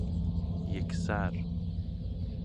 یکسر